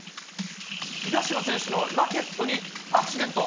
東野選手のラケットにアクシデント。